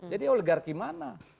jadi oligarki mana